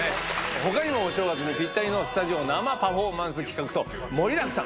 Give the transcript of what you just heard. ほかにもお正月にぴったりのスタジオ生パフォーマンス企画と、盛りだくさん。